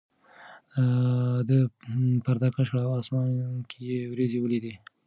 ده پرده کش کړه او اسمان کې یې وریځې ولیدې.